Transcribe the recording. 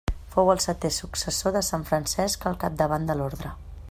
Fou el setè successor de sant Francesc al capdavant de l'orde.